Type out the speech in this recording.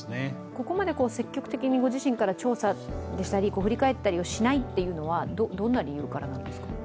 ここまで積極的にご自身で調査とか振り返ったりしないというのは、どんな理由からですか？